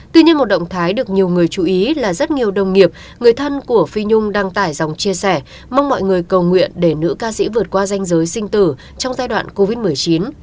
tuy nhiên một động thái được nhiều người chú ý là rất nhiều đồng nghiệp người thân của phi nhung đăng tải dòng chia sẻ mong mọi người cầu nguyện để nữ ca sĩ vượt qua danh giới sinh tử trong giai đoạn covid một mươi chín